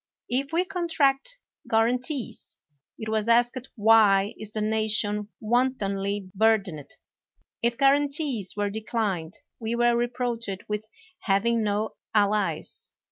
If we contracted guarantees, it was asked why is the nation wantonly burdened? If guarantees were declined, we were reproached with having no allies.